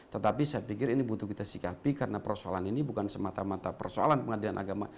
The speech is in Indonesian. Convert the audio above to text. tetapi saya pikir ini butuh kita sikapi karena persoalan ini bukan semata mata persoalan pengadilan agama